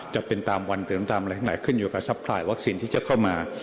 จะเป็นตามวันเติมตามอะไรขึ้นอยู่กับซัพลายวัคซีนที่จะเข้ามา